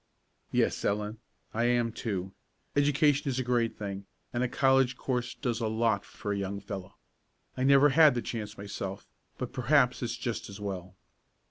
"Yes, Ellen, I am too. Education is a great thing, and a college course does a lot for a young fellow. I never had the chance myself, but perhaps it's just as well."